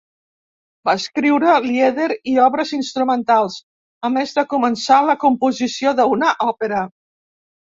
Va escriure lieder i obres instrumentals, a més de començar la composició d'una òpera.